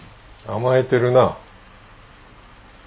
甘えてるな。